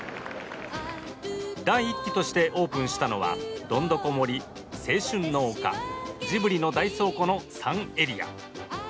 第１期としてオープンしたのは、どんどこ森青春の丘、ジブリの大倉庫の３エリア。